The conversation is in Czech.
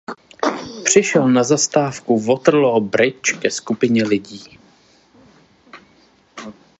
Přišel na zastávku "Waterloo Bridge" ke skupině lidí.